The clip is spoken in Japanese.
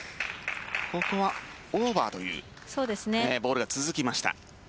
ここはオーバーというボールが続きました。